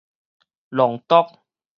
浪毒